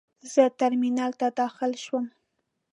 زه ترمینل ته داخل شوم.